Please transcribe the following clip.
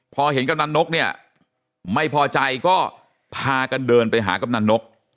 พอเห็นกำนันนกเนี่ยไม่พอใจก็พากันเดินไปหากำนันนก